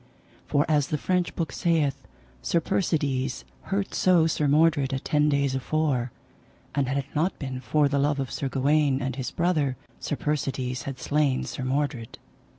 For, as the French book saith, Sir Persides hurt so Sir Mordred a ten days afore; and had it not been for the love of Sir Gawaine and his brother, Sir Persides had slain Sir Mordred.